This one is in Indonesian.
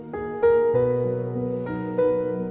kamu sama amin